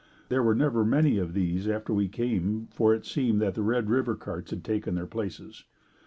There were never many of these after we came for it seemed that the Red River carts had taken their places.